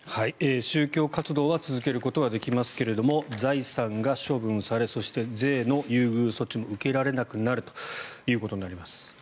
宗教活動は続けることはできますけども財産が処分されそして税の優遇措置も受けられなくなるということになります。